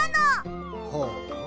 ほう。